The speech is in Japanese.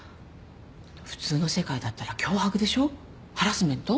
普通の世界だったら脅迫でしょ？ハラスメント？